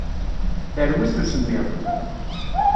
Terwi s usemmiḍ.